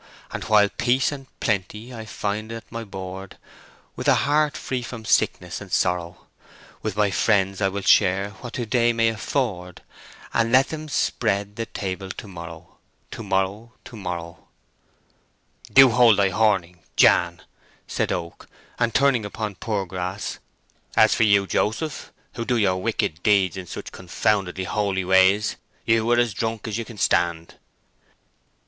And while peace and plen ty I find at my board, With a heart free from sick ness and sor row, With my friends will I share what to day may af ford, And let them spread the ta ble to mor row. To mor row, to mor—— "Do hold thy horning, Jan!" said Oak; and turning upon Poorgrass, "as for you, Joseph, who do your wicked deeds in such confoundedly holy ways, you are as drunk as you can stand."